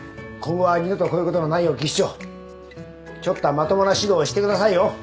今後は二度とこういうことのないよう技師長ちょっとはまともな指導してくださいよ。